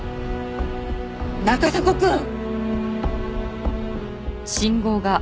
中迫くん！